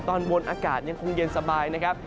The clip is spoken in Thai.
ตอนบนอากาศยังคงเย็นสบายนะครับ